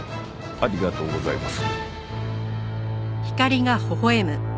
ありがとうございます。